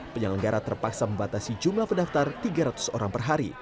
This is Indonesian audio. penyelenggara terpaksa membatasi jumlah pendaftar tiga ratus orang per hari